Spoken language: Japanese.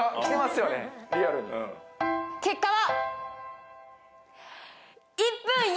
結果は？